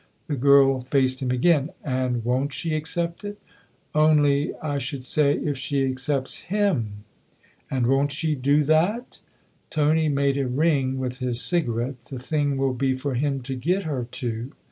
The girl faced him again. "And won't she accept it ?" "Only I should say if she accepts him" 11 And won't she do that ?" Tony made a " ring " with his cigarette. " The thing will be for him to get her to."